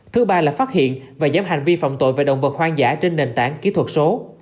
thứ ba là phát hiện và giảm hành vi phạm tội về động vật hoang dã trên nền tảng kỹ thuật số